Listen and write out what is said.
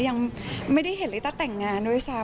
ยังไม่ได้เห็นลิต้าแต่งงานด้วยซ้ำ